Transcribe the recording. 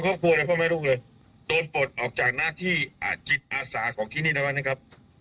ครอบครัวและพ่อแม่ลูกเลยโดนปลดออกจากหน้าที่จิตอาสาของที่นี่ได้ไหมนะครับ